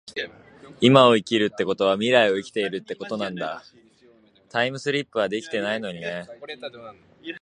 今を生きるってことは未来を生きているってことなんだ。タァイムリィプはできないのにね